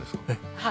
はい。